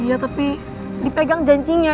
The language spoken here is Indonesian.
iya tapi dipegang janjinya